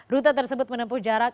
rute tersebut menempuh jalan